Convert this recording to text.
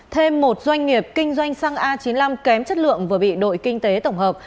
thêm một doanh nghiệp kinh doanh xăng a chín mươi năm kém chất lượng vừa bị đội kinh tế tổng hợp